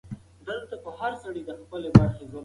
خلک به ستا څخه د خپلو اولادونو د ایستلو غوښتنه کوي.